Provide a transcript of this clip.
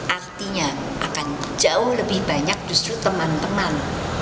artinya akan jauh lebih banyak justru teman teman